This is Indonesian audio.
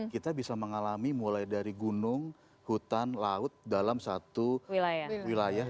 kita bisa mengalami mulai dari gunung hutan laut dalam satu wilayah